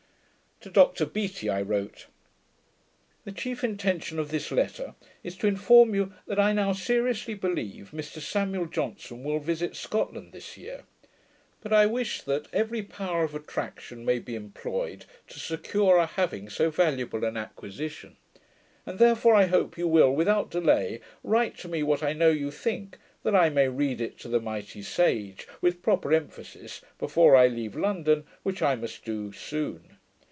To Dr Beattie I wrote, The chief intention of this letter is to inform you, that I now seriously believe Mr Samuel Johnson will visit Scotland this year: but I wish that every power of attraction may be employed to secure our having so valuable an acquisition, and therefore I hope you will without delay write to me what I know you think, that I may read it to the mighty sage, with proper emphasis, before I leave London, which I must soon.